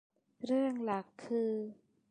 เรื่องหลักคือ